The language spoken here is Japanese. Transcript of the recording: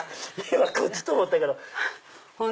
今こっちと思ったけど。